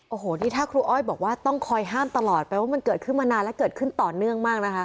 โอ้โหนี่ถ้าครูอ้อยบอกว่าต้องคอยห้ามตลอดแปลว่ามันเกิดขึ้นมานานและเกิดขึ้นต่อเนื่องมากนะคะ